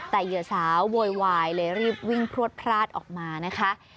แต่เหยื่อสาวโวยวายเลยรีบวิ่งพลวดพลาดออกมานะคะ